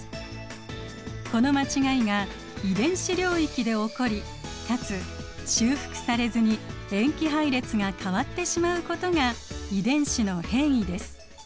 この間違いが遺伝子領域で起こりかつ修復されずに塩基配列が変わってしまうことが遺伝子の変異です。